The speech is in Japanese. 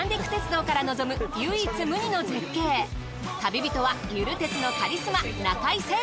旅人はゆる鉄のカリスマ。